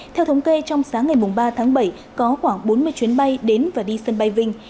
theo thống kê trong sáng ngày ba tháng bảy có khoảng bốn mươi chuyến bay đến và đi sân bay vinh